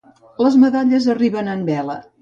Les medalles arriben en vela.